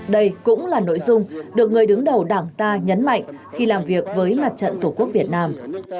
đây cũng là nội dung được người đứng đầu đảng ta nhấn mạnh khi làm việc với mặt trận tổ quốc việt nam